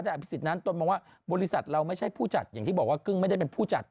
แต่อภิษฎนั้นตนมองว่าบริษัทเราไม่ใช่ผู้จัดอย่างที่บอกว่ากึ้งไม่ได้เป็นผู้จัด